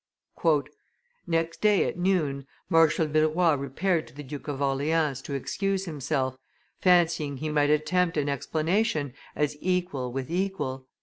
] "Next day, at noon, Marshal Villeroy repaired to the Duke of Orleans' to excuse himself, fancying he might attempt an explanation as equal with equal.